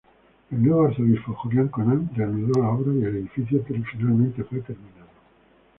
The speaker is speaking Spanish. El nuevo arzobispo Julián Conan reanudó las obras y el edificio finalmente fue terminado.